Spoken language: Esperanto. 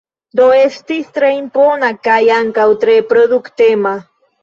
Do estis tre impona kaj ankaŭ tre produktema.